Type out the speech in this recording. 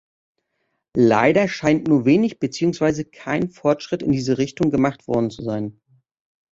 Leider scheint nur wenig beziehungsweise kein Fortschritt in diese Richtung gemacht worden zu sein.